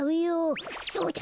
そうだ！